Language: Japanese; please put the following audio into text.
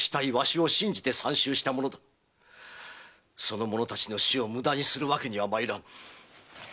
その者達の死を無駄にするわけには参らぬ！